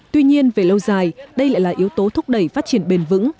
tuy nhiên về lâu dài đây lại là yếu tố thúc đẩy phát triển bền vững